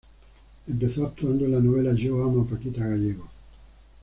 Empezó actuando en la novela "Yo amo a Paquita Gallego".